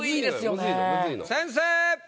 先生！